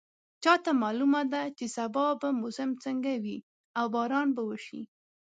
چا ته معلومه ده چې سبا به موسم څنګه وي او باران به وشي